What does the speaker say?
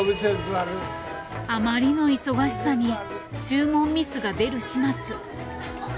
あまりの忙しさに注文ミスが出る始末。